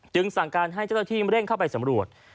จึงสั่งการให้เจ้าชีวิตเร่งเข้าไปสำรวจ